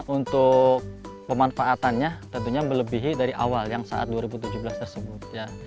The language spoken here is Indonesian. untuk pemanfaatannya tentunya melebihi dari awal yang saat dua ribu tujuh belas tersebut